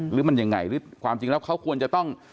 หรือมันยังไงหรือความจริงแล้วเขาควรจะต้อง